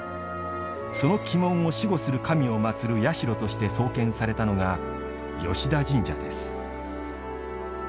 その鬼門を守護する神をまつる社として創建されたのが吉田神社です。